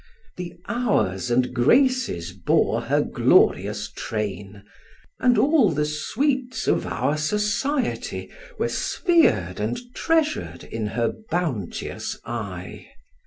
The Hours and Graces bore her glorious train; And all the sweets of our society Were spher'd and treasur'd in her bounteous eye.